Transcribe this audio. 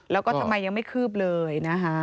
แล้วก็ทำไมยังไม่คืบเลยนะคะ